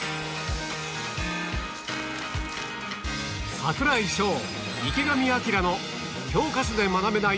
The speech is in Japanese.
櫻井翔、池上彰の教科書で学べない